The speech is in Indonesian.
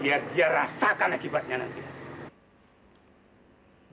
biar dia rasakan akibatnya nanti